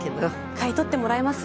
買い取ってもらえます？